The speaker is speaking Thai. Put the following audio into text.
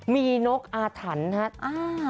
มีนกอาถรรพ์ครับ